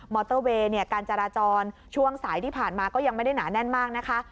อเตอร์เวย์เนี่ยการจราจรช่วงสายที่ผ่านมาก็ยังไม่ได้หนาแน่นมากนะคะ